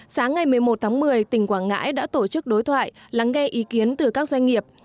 sáng ngày một mươi một tháng một mươi tỉnh quảng ngãi đã tổ chức đối thoại lắng nghe ý kiến từ các doanh nghiệp